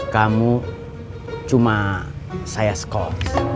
kamu cuma saya sekol